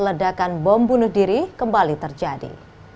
ledakan bom bunuh diri kembali terjadi